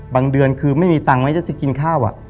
บางเดือนคือไม่มีตังฯไม่ได้เจอจะกินข้าวอะ